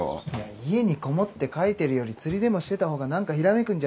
家にこもって書いてるより釣りでもしてた方が何かひらめくんじゃねえのか？